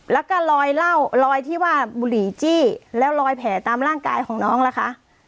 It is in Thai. แล้วก็ลอยเหล้ารอยที่ว่าบุหรี่จี้แล้วรอยแผลตามร่างกายของน้องล่ะคะ